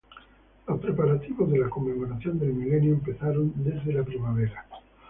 Los preparativos de la conmemoración del milenio empezaron desde la primavera.